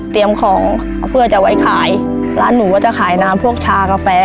ของเพื่อจะไว้ขายร้านหนูก็จะขายน้ำพวกชากาแฟ